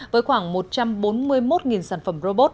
với khoảng một trăm bốn mươi một sản phẩm robot